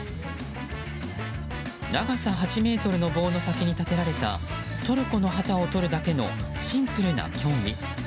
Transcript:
長さ８ｍの棒の先に立てられたトルコの旗を取るだけのシンプルな競技。